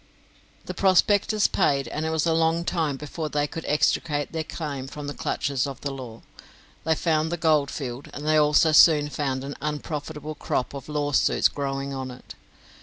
The prospectors paid, and it was a long time before they could extricate their claim from the clutches of the law. They found the goldfield, and they also soon found an unprofitable crop of lawsuits growing on it.